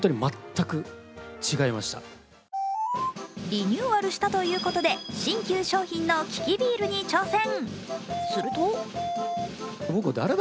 リニューアルしたということで新旧商品の利きビールに挑戦。